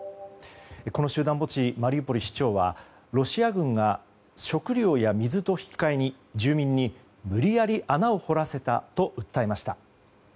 この集団墓地マリウポリ市長はロシア軍が食料や水と引き換えに住民に無理やり穴を掘らせたと訴えました。